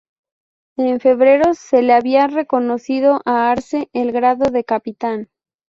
En febrero se le había reconocido a Arze el grado de capitán.